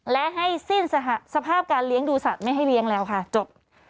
และให้สิ้นสภาพการเลี้ยงดูสัตว์ไม่ให้เลี้ยงแล้วค่ะจบ